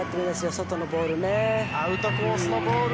外のボール。